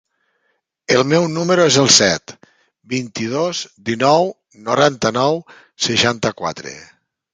El meu número es el set, vint-i-dos, dinou, noranta-nou, seixanta-quatre.